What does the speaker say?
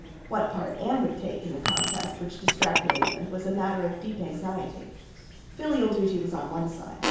What part Anne would take in the contest which distracted England was matter of deep anxiety. Filial duty was on one side.